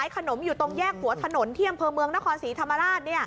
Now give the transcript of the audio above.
ขนมอยู่ตรงแยกหัวถนนเที่ยงเพลิงเมืองนครศรีธรรมราชเนี่ย